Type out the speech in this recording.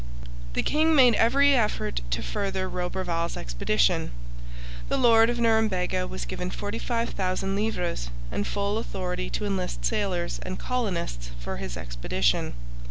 The king made every effort to further Roberval's expedition. The Lord of Norumbega was given 45,000 livres and full authority to enlist sailors and colonists for his expedition.